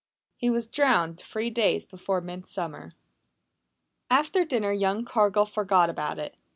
He was drowned three days before Midsummer. After dinner young Cargill forgot about it.